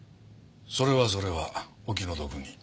それはそれはお気の毒に。